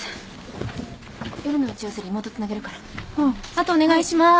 あとお願いします。